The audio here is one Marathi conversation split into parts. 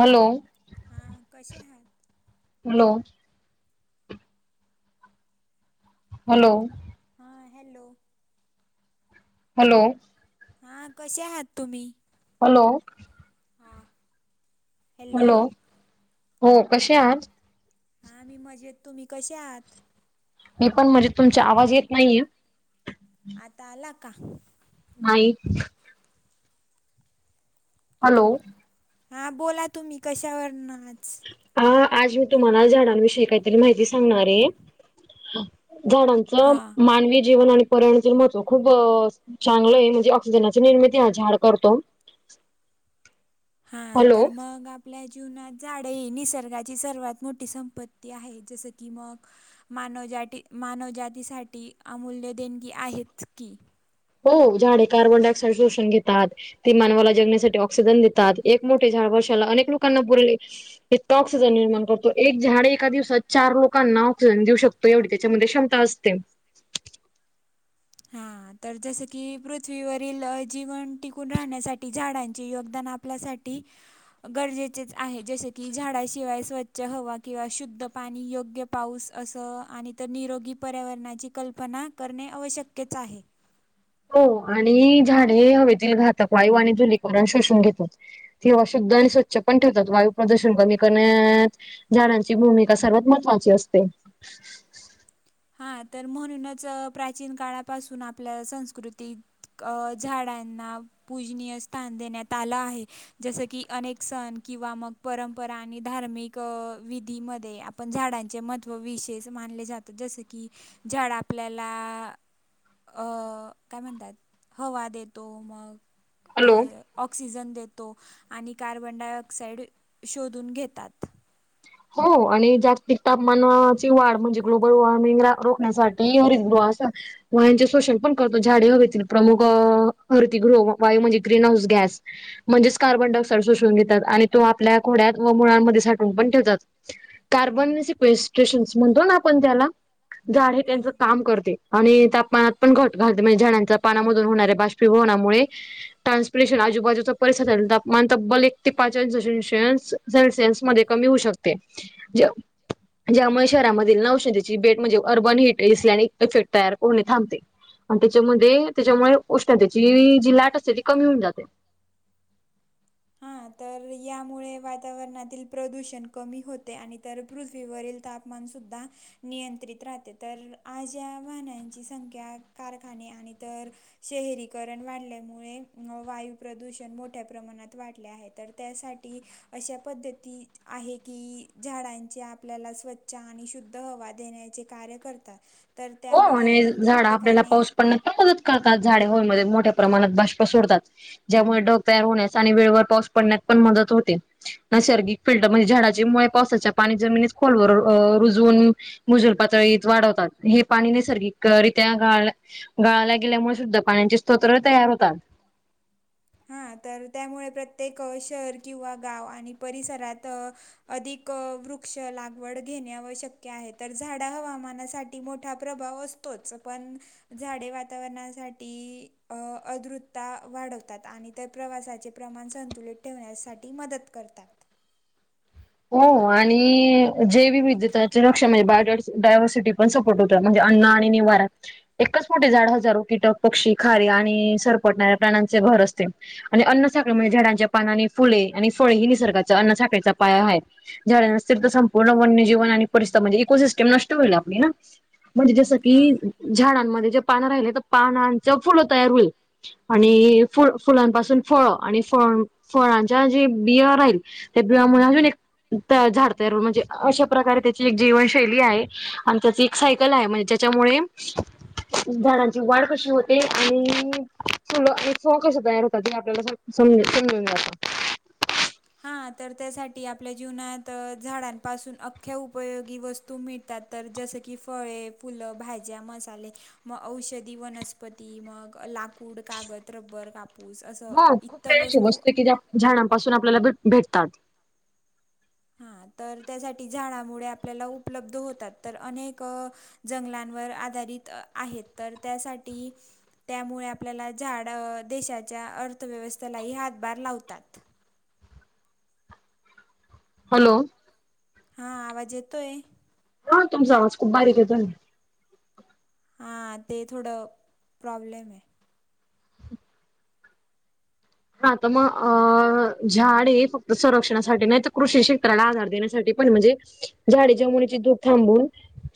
हॅलो. हां कशे हात. हॅलो. हॅलो. हा हॅलो. हॅलो. हा कशे हात तुम्ही? हॅलो. हा. हॅलो हो कशे आहात? हा मी मजेत तुम्ही कशे आहात? मी पण म्हणजे तुमचा आवाज येत नाहीये. आता आला का? नाही. हॅलो. हा बोला तुम्ही कशावर न आज ह आज मी तुम्हाला झाडां विषयी काहीतरी माहिती सांगणार आहे. झाडांच हा मानवी जीवन आणि पर्याणाच महत्त्व खूप चांगलं आहे म्हणजे जनाची निर्मिती हा झाड करतो. हा हॅलो तर मग आप आपल्या जीवनात झाडे ही निसर्गाची सर्वात मोठी संपत्ती आहे जसं की मग मानवजाटी मानवजातीसाठी अमूल्य देणगी आहेच की हो झाडे कार्बनडाय ऑक्साइड शोषून घेतात. ती मानवाला जगण्यासाठी ऑक्सिजन देतात एक मोठे झाड वर्षाला अनेक लोकांना पुरले इतकं ऑक्सिजन निर्माण करतो, एक झाडं एका दिवसात चार लोकांना ऑक्सिजन देऊ शक एवढी तेच्यामध्ये क्षमता असते. हा तर जसं की पृथ्वीवरील जीवन टिकून राहण्यासाठी झाडांचे योगदान आप आपल्यासाठी गरजेचेच आहे जसें की झाडाशिवाय स्वच्छ हवा किंवा शुद्ध पाणी योग्य पाऊस असं आणि तर निरोगी पर्यावरणाची कल्पना करणे आवश्यक्यच आहे. हो आणि झाडे हवेतील घातक वायू आणि धुलीकरण शोषून घेतात. ति हवा शुद्ध आणि स्वच्छ पण ठेवतात वायू प्रदूषण कमी करण्यात झाडांची भूमिका सर्वात महत्त्वाची असते. हा तर म्हणूनच प्राचीन काळापासून आपल्या संस्कृती अ झाडांना पूजनीय स्थान देण्यात आलं आहे, जसं की अनेक सण किंवा मग परंपरा आणि धार्मिक विधीमध्ये आपण झाडांचे महत्त्व विशेष मानले जात जसं की झाड आपल्याला अ काय म्हणतात हवा देतो मग अ हॅलो ऑक्सिजन देतो आणि कार्बन डायऑक्साइड शोधून घेतात. हो आणि जागतिक तापमानाची वाढ म्हणजे ग्लोबल वॉर्मिंगला रोखण्यासाठी हरितगृहास व्हायचे सोशन पण करतो झाडे हवेतील प्रमुख हरती गृह वायू म्हणजे ग्रीन हाऊस गॅस म्हणजेच कार्बन डायऑक्साइड सोषून घेतात आणि तो आपल्या घोड्यात व मुळांमध्ये साठून पण ठेवतात. कार्बनसिकटेशन म्हणतो ना आपण त्याला झाडे त्यांच हां. काम करते. आणि तापमानात पण घट घालते म्हणजे झाडांचा पानामधून होणाऱ्या बाष्पीभवनामुळे ट्रान्सपिरेशन आजूबाजूचा परिसल तापमान तब्बल एक ते पाचं अंश दशांश सेल्सियनस मध्ये कमी होऊ शकते ज ज्यामुळे शहरामधील न औषधीची बेड म्हणजे urban heat A C effect तयार पूर्ण थांबते. आणि त्याच्यामध्ये त्याच्यामुळे उष्णतेची जी लाट असते ती कमी होऊन जाते. हा तर यामुळे वातावरणातील प्रदूषण कमी होते. आणि तर पृथ्वीवरील ताप मणसुद्धा नियंत्रित राहते तर आज या वाहनांची संख्या कारखाने आणि तर शहरीकरण वाढल्यामुळे वायू प्रदूषण मोठ्या प्रमाणात वाटले आहे तर त्यासाठी अशा पद्धतीत आहे की झाडांची आपल्याला स्व च्छ आणि शुद्ध हवा देण्याचे कार्य करतात तर हो त्यामुळे आणि आपण झाडं आपल्याला प्रत्येकाने पाऊस पडण्यात मदत करतात झाडे होल मध्ये मोठ्या प्रमाणात बाष्प सोडतात. ज्यामुळे ढग तयार होण्यास, आणि वेळेवर पाऊस पडण्यात पण मदत होते. नैसर्गिक फिल्टर म्हणजे झाडाचे मुळे पावसाच्या पाणी जमिनीत खोलवर अ रुजुनं मुजूल पातळीत वाढवतात. हे पाणी नैसर्गिकरित्या गाळ गाळल्या गेल्यामुळे शुद्ध पाण्याचे स्तोत्र तयार होतात. हा तर त्यामुळे प्रत्येक शहर किंवा गाव आणि परिसरात अधिक वृक्ष लागवड घेणे आवश्यक आहे तर झाड हवामानासाठी मोठा प्रभाव अस तोच पण झाडे वातावरणासाठी अ अद्रुता वाढव तात आणि ते प्रवासाचे प्रमाण संतुलित ठेवण्यासाठी मदत करतात. हो आणि जैवविवीधताचे लक्षण म्हणजे [unintelligible] डायवर्सिटी पण सपोर्ट होतात म्हणजे अन्न आणि निवारा. एकच मोठे झाड, हजारो कीटक, पक्षी, खारी आणि सरपटणाऱ्या प्राण्यांचे घर असते. आणि अन्न साखळी म्हणजे, झाडांचे पान नी फुले आणि फळे ही निसर्गाच अन्न साखळीचा उपाय आहे झाड नसतील तर संपूर्ण वन्यजीवन आणि परिसर म्हणजे इकोसिस्टीम नष्ट होईल आपलीं ना. म्हणजे जसं हां. की झाडांमध्ये जे पानं राहिले त पानांच फुलं तयार होईल. आणि फु-फुलांपासून फळ आणि फळ-फळांच्या जे बियां राहील. त्या बियांमुळे अजून एक त झाडतर म्हणजे अशा प्रकारे त्याची एक जीवनशैली आहे, आणि त्याची एक सायकल आहे म ज्याच्यामुळे [inaudible] झाडांची वाढ कशी होते, आणि फुलं आणि [unintelligible] कशे तयार होतात ते आपल्याला स सम समजुनं जात. हां तर त्यासाठी आपल्या जीवनात झाडांपासून अख्ख्या उपयोगी वस्तू मिळतात. तर जसं की फळे, फुलं, भाज्या, मसाले. म औषधी वनस्पती मग लाकु ड कागद, रब्बर, कापूस, असं हो खूप इतर काही अशी वस्तू की ज्या झाडांपासून आपल्याला भे भेटतात. हा तर त्यासाठी झाडामुळे आपल्याला उपलब्ध होतात तर अनेक. जंगलांवर आधारित आहेत तर त्यासाठी. त्यामुळे आपल्याला झाड देशाच्या अर्थव्यवस्थेलाही हातभार लावतात. हॅलो! हा आवाज येतोय. हा तुमचा आवाज खूप बारीक येतोय. हा ते थोडं प्रॉब्लेम हे. हा त म अ झाड हे फक्त संरक्षणासाठी नाही तर कृषी क्षेत्राला आधार देण्यासाठी पण म्हणजे झाडी जमुनीचे धूप थांबून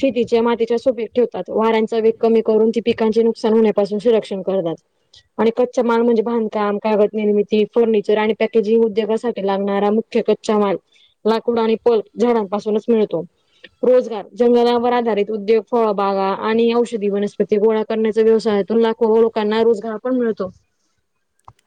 शेतीच्या मातीच्या सुपीक ठेव तात वाऱ्यांचा वेग कमी करून ती पिकांची नु कसान होण्यापासून सुरक्षण करतात, आणि कच्चा माल म्हणजे बांधकाम कागद निर्मिती, फर्निचर आणि पॅकेजिंग उद्योगासाठी लागणारा मुख्य कच्चा माल लाकूडा आणि पल झाडांपासूनच मिळतो. रोजगार जंगलावर आधारित उद्योग फळ बागा आणि औषधी वनस्पती गोळा करण्याचा व्यवसायांतून लाखो लोकांना रोजगार पण मिळतो.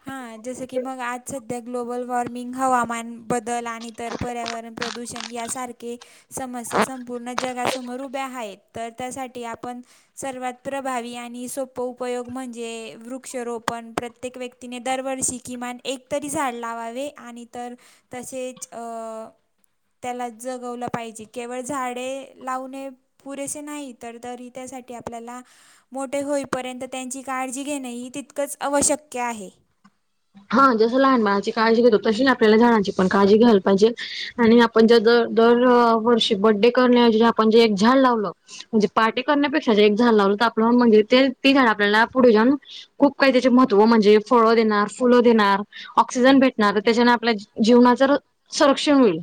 हा जसं की मग आज सध्या ग्लोबल वॉर्मिंग, हवामान बदल, आणि तर पर्यावरण प्रदूषण, यासारखे समस्या संपूर्ण जगासमोर उभ्या आहेत. तर त्यासाठी आपण. सर्वात प्रभावी आणि सोप उपयोग म्हणजे वृक्षोरोपण प्रत्येक व्य क्ती ने दरवर्षी किमान एक तरी झाड लावावे आणि तर तसेच अ.. त्याला जगवलं पाहिजे केवळ झाडे लावणे पुरेसे नाही तर तरी त्यासाठी आपल्याला मोठे होईपर्यंत त्यांची काळजी घेणें ह तितकंच आवश्यक्य आहे. हा जसं लहान मुणाची काळजी घेतो तशी नाही आपल्याला झाडांची पण काळजी घ्यायला पाहिजे. आणि आपण ज जर दर वर्षी बर्डे करण्याऐजी आपण जे एक झाड लावलं म्हणजे पार्टी करण्यापेक्षा ज एक झाड लावलं तर आपण म्हणजे ते ती झाड आपल्याला पुढे जाऊन खूप काही त्याचे महत्व म्हणजे फळं देणार फुलं देणार, ऑक्सिजन भेटणार त्याच्याने आपल्या जीवनाचं संरक्षण होईल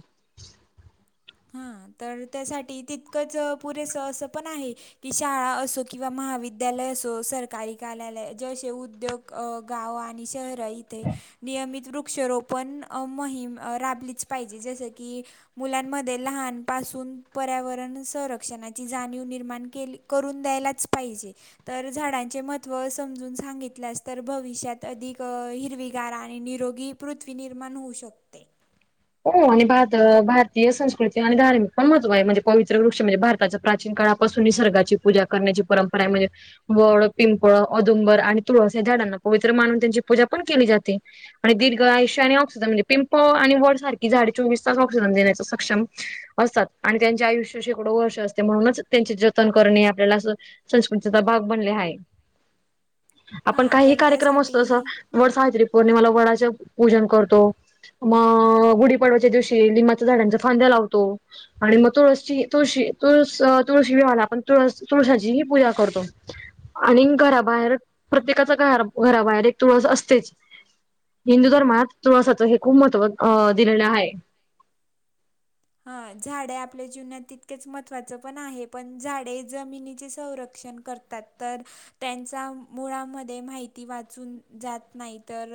हा तर त्यासाठी तितकंच पुरेसं असं पण आहे कि शाळा असो किंवा महाविद्यालय असो सरकारी कार्यालय जसे उद्योग गावं आणि शहरं इथे नियमित वृक्षरोपन मोहिम राबलीच पाहिजे जस की मुला मध्ये लहानपासून पर्यावरण संरक्षणाची जाणीव निर्माण केली करून द्यायलाच पाहिजे तर झाडांचे महत्त्व समजून सांगितल्यास तर भविष्यात अधिक हिरवीगारा आणि निरोगी पृथ्वी निर्माण होऊ शकते हो आणि भ भारतीय संस्कृती आणि धार्मिक पण महत्व आहे म्हणजे पवित्र वृक्ष म्हणजे भार प्राचीन काळापासून निसर्गाची पूजा करण्याची परंपरा आहे म्हणजे वड पिंपळ औदुंबर आणि तुळस या झाडांना पवित्र मानून त्यांची पूजा पण केली जाते आणि दीर्घ आयुष्य आणि ऑक्सिजन म्हणजे पिंपळ आणि वड सारखी झाडे चोवीस तास ऑक्सिजन देण्याचं सक्षम असतात आणि त्यांच्या आयुष्या शेकडो वर्ष असते म्हणूनच त्यांचे जतन करणे आपल्याला असं संस्कृतीचा भाग बनले आहे. आपण हां, काहीही तर कार्यक्रम त्यासाठी असतो अस वड सावित्री पौर्णिमेला वडाच पूजन करतो मग गुढीपाडवाच्या दिवशी लिंबाच्या झाडांच्या फांद्या लावतो आणि मग तुळस तुळशी तुळस तुळशी विवाहाला आपण तुळस तुळसाची ही पूजा करतो आणि घराबाहेर प्रत्येकाच घराबाहेर एक तुळस असतेच हिंदू धर्मात तुळसाच हे खूप महत्त्व दिलेल आहे हा झाडे आपल्या जीवनात तितकेच महत्त्वाचं पण आहे पण झाडे जमिनीचे संरक्षण करतात तात तर त्यांचा मुळामध्ये माहिती वाचून जात नाही तर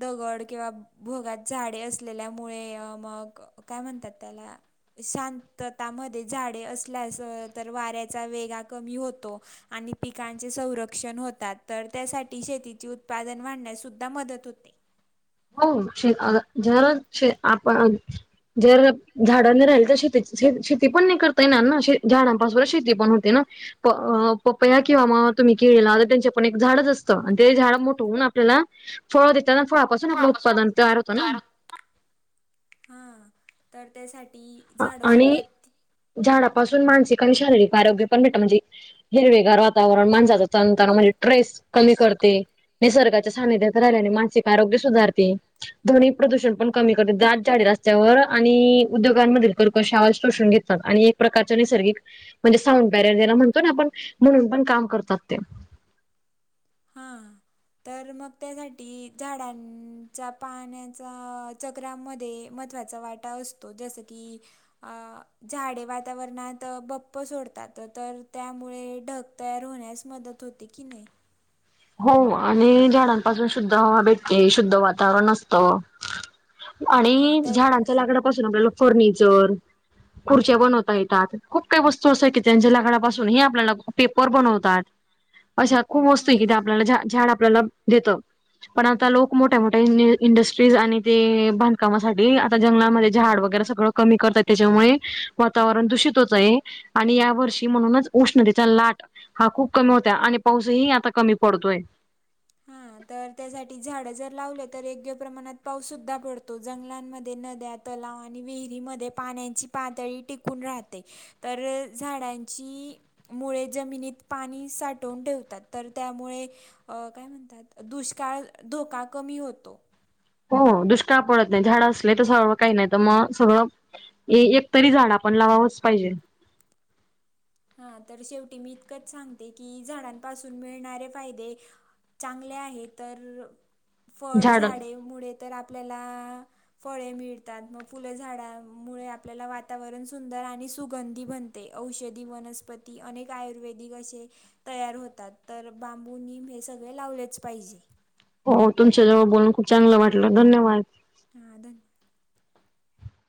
दगड किंवा भोगात झाडे असलेल्यामुळे मग काय म्हण त्यात त्याला शांततामध्ये झाडे असल्यास तर वाऱ्याचा वेगा कमी होतो आणि पिकांचे संरक्षण होतात तर त्यासाठी शेतीचे उत्पादन वाढण्यास सुद्धा मदत होते हो श जरा आपण जर [inaudible] झाड नाही राहिली तर शेती श शेती पण नाही करताय ना ना श झाडांपासूनच शेती पण होते ना पप्पया किंवा मग तुम्ही केळीला तर त्यांच्या पण एक झाडच असतं आणि ते झाड मोठहून आपल्याला फळं देतात ना फळापासून आपलं उत्पादन तयार होतं ना हा तर त्यासाठी झाड आणि सुद्धा झाडापासून मानसिक आणि शारीरिक आरोग्य पण भेटत म्हणजे हिरवेगार वातावरण माणसाचा तणताणा म्हणजे ट्ट्रेस कमी प्रेस करते निसर्गाच्या सानिध्यात राहिल्याने मानसिक आरोग्य सुधारते ध्वनी प्रदूषण पण कमी करतेे दाट झाडे रस्त्यावर आणि उद्योग [unintelligible] कर्कश आवाज शोषून घेतात आणि एक प्रकारच्या नैसर्गिक म्हणजे साऊंड बॅरियर ज्याला म्हणतो ना आपण म्हणून पण काम करतात ते हा तर मग त्यासाठी झाडांचा पाण्याचा चक्रामध्ये महत्त्वाचा वाटा असतो जसं की झाडे वातावरणात बप्प सोडतात तर त्यामुळे ढग तयार होण्यास मदत होते की नाही हो आणि झाडांपासून शुद्ध हवा भेटते शुद्ध वातावरण असतं. हां आणि तर झाडांच्या लाकडापासून आपल्याला फर्निचर, खुर्च्या बनवता येतात खूप काही वस्तू असंय की त्यांच्या लाकडपासून हे आपल्याला पेपर बनवतात. अशा खूप वस्तू आहे कि हां त्या आपल्याला झा झाड आपल्याला देतं पण आता लोक मोठ्या मोठ्या इंड इंडस्ट्रीज आणि ते बांधकामासाठी आता जंगलामध्ये झाड वगैरे सगळं कमी करतात त्याच्यामुळे वातावरण दूषित होतंय आणि या वर्षी म्हणूनच उष्णतेचा लाट हा खूप कमी होता आणि पाऊसही आता कमी पडतोय हा तर त्यासाठी झाड जर लावले तर योग्य प्रमाणात पाऊस सुद्धा पड तो. जंगलांमध्ये नद्या तलाव आणि विहिरीमध्ये पाण्याची पातळी टिकून राहते तर झाडांची मुळे जमिनीत पाणी साठवून ठेवतात तर त्यामुळे अं काय म्हणतात दुष्काळ धोका कमी होतो हो दुष्काळ पडत नाही झाडं असले तर सर्व काही नाही तर मग सगळं ए एक तरी झाड आपण लावावंच पाहिजे हा तर शेवटी मी इतकंच सांगते की झाडांपासून मिळणारे फायदे चांगले आहे तर फळ झाड झाडे मुळे तर आपल्याला फळे मिळतात मग फुलं झाडामुळे आपल्याला वातावरण सुंदर आणि सुगंधी बन ते औषधी वनस्पती अनेक आयुर्वेदिक असे तयार होतात तर बांबू निम हे सगळे लावलेच पाहिजे हो तुमच्या जवळ बोलून खूप चांगलं वाटलं धन्यवाद हा धन्य